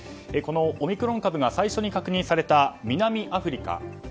このオミクロン株が最初に確認された南アフリカ。